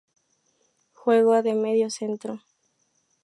Juega de medio centro.